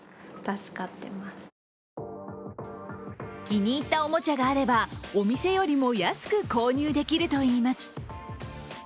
気に入ったおもちゃがあればお店よりも安く購入できるといいます。